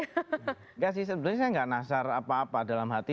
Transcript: enggak sih sebenarnya saya nggak nasar apa apa dalam hati